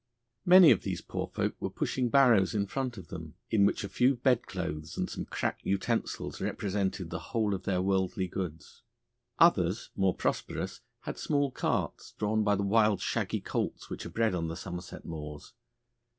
Many of these poor folk were pushing barrows in front of them, in which a few bedclothes and some cracked utensils represented the whole of their worldly goods. Others more prosperous had small carts, drawn by the wild shaggy colts which are bred on the Somerset moors.